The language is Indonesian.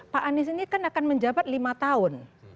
pak anies ini kan akan menjabat lima tahun